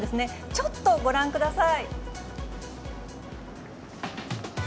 ちょっとご覧ください。